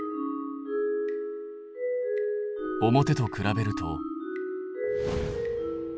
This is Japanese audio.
表と比べると。